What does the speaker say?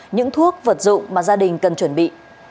những thuốc vật dụng mà gia đình cần chuẩn bị